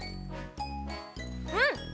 うん！